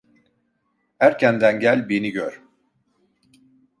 Erkenden gel, beni gör!